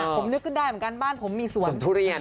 ผมนึกขึ้นได้เหมือนกันบ้านผมมีสวนทุเรียน